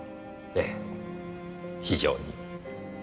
ええ非常に。